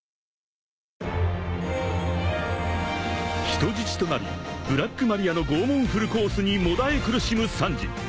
［人質となりブラックマリアの拷問フルコースにもだえ苦しむサンジ］